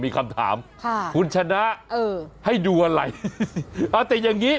มีคำถามคุณชนะให้ดูอะไรแต่อย่างนี้